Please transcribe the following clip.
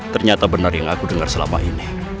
ternyata benar yang aku dengar selama ini